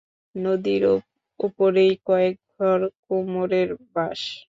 নদীর ওপরেই কয়েক ঘর কুমোরের বাস!